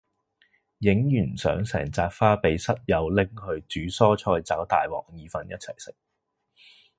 影完相成紮花俾室友拎去煮蔬菜炒大鑊意粉一齊食